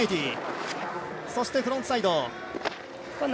そしてフロントサイド。